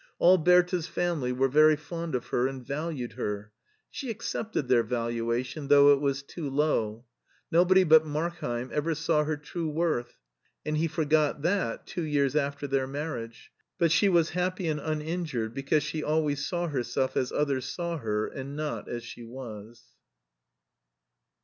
All Bertha's family were very fond of her and valued her. She accepted their valuation, though it was too low. No body but Markheim ever saw her true worth, and he forgot that two years after their marriage, but she was happy and uninjured because she alwa)rs saw her self as others saw her, and not as she was.